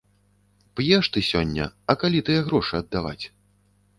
П'еш ты сёння, а калі тыя грошы аддаваць?